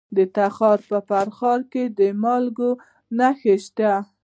د تخار په فرخار کې د مالګې نښې شته.